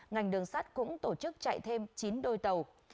ngành đường sắt cũng tổ chức chạy thêm chín đôi tàu